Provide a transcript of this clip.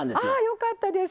よかったです。